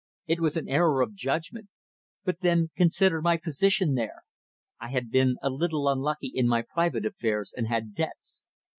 It was an error of judgment. But then consider my position there. I had been a little unlucky in my private affairs, and had debts.